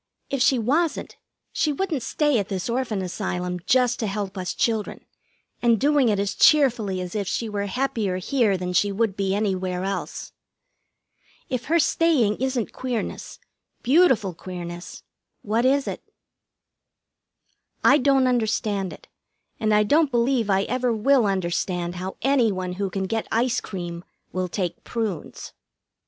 If she wasn't, she wouldn't stay at this Orphan Asylum, just to help us children, and doing it as cheerfully as if she were happier here than she would be anywhere else. If her staying isn't queerness, beautiful queerness, what is it? I don't understand it, and I don't believe I ever will understand how any one who can get ice cream will take prunes.